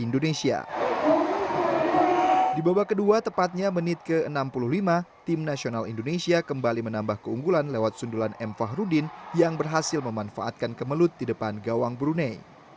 di babak kedua tepatnya menit ke enam puluh lima tim nasional indonesia kembali menambah keunggulan lewat sundulan m fahrudin yang berhasil memanfaatkan kemelut di depan gawang brunei